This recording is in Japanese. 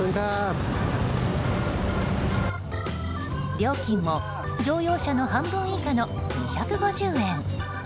料金も乗用車の半分以下の２５０円。